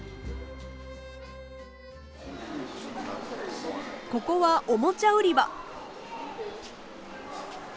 ここはおもちゃ売り場。